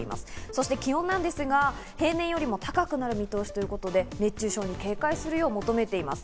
そして気温なんですが平年よりも高くなる見通しということで熱中症に警戒するよう求めています。